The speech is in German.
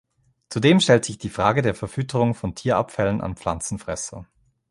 Zudem stellt sich die Frage der Verfütterung von Tierabfällen an Pflanzenfresser.